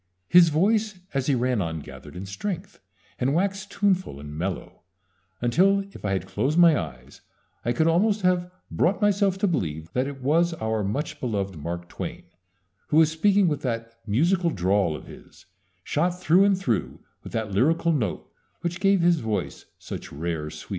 His voice as he ran on gathered in strength, and waxed tuneful and mellow, until, if I had closed my eyes, I could almost have brought myself to believe that it was our much loved Mark Twain who was speaking with that musical drawl of his, shot through and through with that lyrical note which gave his voice such rare sweetness.